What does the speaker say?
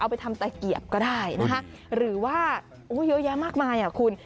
ไปทำตะเกียบก็ได้นะคะหรือว่าเยอะแยะมากมายอ่ะคุณ